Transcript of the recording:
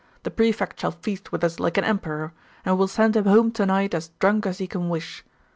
The Prefect shall feast with us like an emperor, and we'll send him home to night as drunk as he can wish.